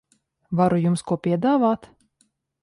Varu jums ko piedāvāt?